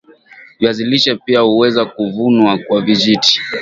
viazi lishe pia huweza kuvunwa kwa vijiti